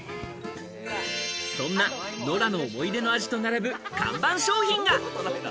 そんなノラの思い出の味と並ぶ看板商品が。